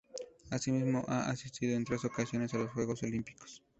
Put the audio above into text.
Asimismo, ha asistido en tres ocasiones a los Juegos Olímpicos.